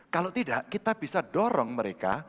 kalau tidak kita bisa dorong mereka